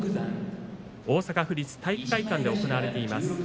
大阪府立体育会館で行われています